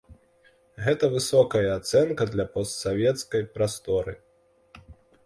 Гэта высокая ацэнка для постсавецкай прасторы.